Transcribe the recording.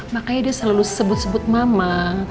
makanya dia selalu sebut sebut mama